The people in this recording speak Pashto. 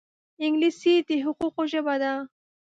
انګلیسي د حقوقو ژبه ده